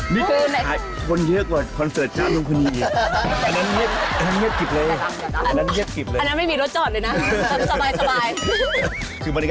นี่ก็ขายคนเยอะกว่าคอนเสิร์ตจ้างนมคุณี